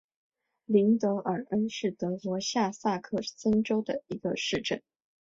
林德尔恩是德国下萨克森州的一个市镇。